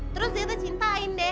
terus zeta cintain deh